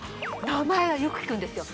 名前はよく聞くんですよ